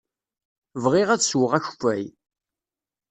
Bɣiɣ ad sweɣ akeffay.